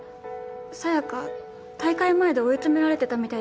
沙耶香大会前で追い詰められてたみたいだし